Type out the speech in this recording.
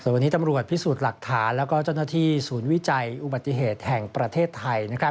วันนี้ตำรวจพิสูจน์หลักฐานแล้วก็เจ้าหน้าที่ศูนย์วิจัยอุบัติเหตุแห่งประเทศไทย